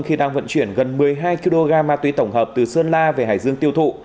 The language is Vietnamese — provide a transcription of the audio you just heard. khi đang vận chuyển gần một mươi hai kg ma túy tổng hợp từ sơn la về hải dương tiêu thụ